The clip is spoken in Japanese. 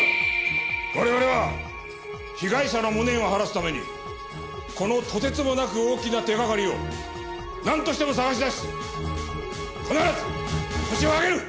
我々は被害者の無念を晴らすためにこのとてつもなく大きな手がかりをなんとしても捜し出し必ずホシを挙げる！